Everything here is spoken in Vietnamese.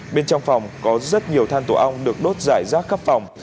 bên trong phòng có rất nhiều than tổ ong được đốt giải rác khắp phòng